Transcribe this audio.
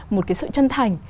một cái sự chân thành